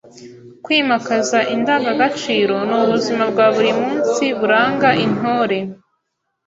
Kwimakaza indangagaciro ni ubuzima bwa buri munsi buranga intore